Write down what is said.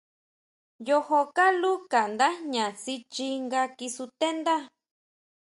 Yojo kalú ka ndá jña tsichi nga kisutendá.